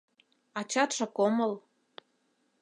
Ачатшак омыл.